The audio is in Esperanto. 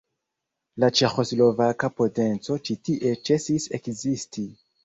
La ĉeĥoslovaka potenco ĉi tie ĉesis ekzisti.